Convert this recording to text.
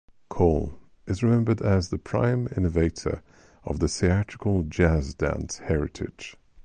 Cole is remembered as the prime innovator of the theatrical jazz dance heritage.